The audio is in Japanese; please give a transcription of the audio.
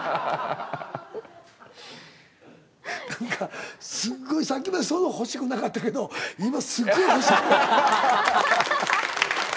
何かすっごいさっきまでそんな欲しくなかったけど今すっごい欲しい。